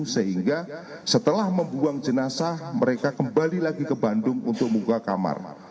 sehingga setelah membuang jenazah mereka kembali lagi ke bandung untuk membuka kamar